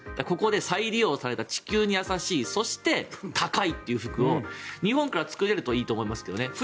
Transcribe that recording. ここで再利用された地球に優しいそして高いという服を日本から作れるといいと思いますけどね。